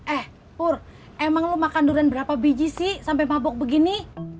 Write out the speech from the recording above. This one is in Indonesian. eh pur emang lu makan durian berapa biji sih sampai mabuk begini